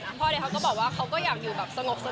พ่อเด็กเขาก็บอกว่าเขาก็อยากอยู่สงบ